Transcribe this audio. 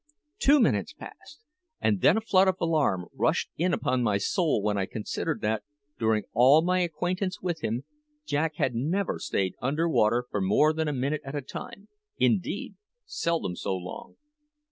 Two minutes passed! and then a flood of alarm rushed in upon my soul when I considered that, during all my acquaintance with him, Jack had never stayed under water more than a minute at a time indeed, seldom so long.